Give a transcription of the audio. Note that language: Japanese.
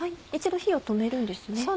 一度火を止めるんですね。